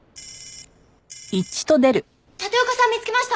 立岡さん見つけました！